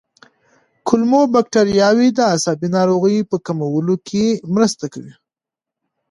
کولمو بکتریاوې د عصبي ناروغیو په کمولو کې مرسته کوي.